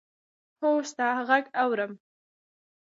هو! ستا ږغ اورم.